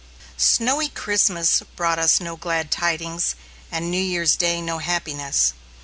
Snowy Christmas brought us no "glad tidings," and New Year's Day no happiness.